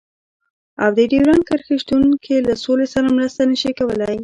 او د ډيورنډ کرښې شتون کې له سولې سره مرسته نشي کولای.